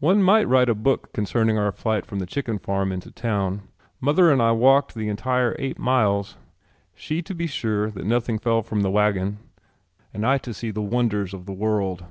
One might write a book concerning our flight from the chicken farm into town. Mother and I walked the entire eight miles she to be sure that nothing fell from the wagon and I to see the wonders of the world.